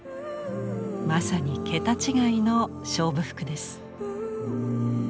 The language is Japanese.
まさに桁違いの「勝負服」です！